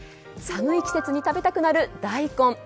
寒い季節に食べたくなる大根。